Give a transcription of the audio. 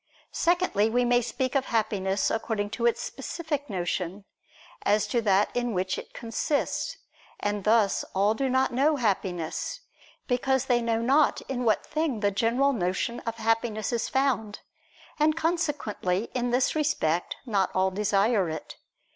Secondly we may speak of Happiness according to its specific notion, as to that in which it consists. And thus all do not know Happiness; because they know not in what thing the general notion of happiness is found. And consequently, in this respect, not all desire it.